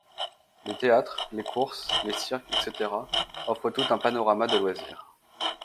Les théâtres, les courses, les cirques, etc. offrent tout un panorama de loisirs.